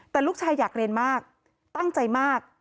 แต่ลูกชายอยากเรียนมากตั้งใจมาก